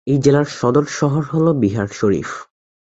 এই জেলার সদর শহর হল বিহার শরিফ।